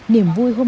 điểm vui không